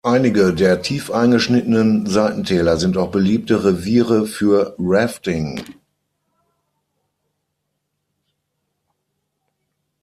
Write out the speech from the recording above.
Einige der tief eingeschnittenen Seitentäler sind auch beliebte Reviere für Rafting.